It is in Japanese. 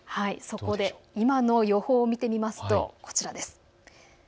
今の予報を見てみますとこちらです。